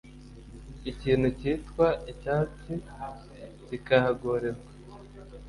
ikintu cyitwa icyatsi kikahagorerwa